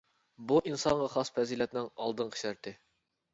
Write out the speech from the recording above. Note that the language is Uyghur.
بۇ ئىنسانغا خاس پەزىلەتنىڭ ئالدىنقى شەرتى.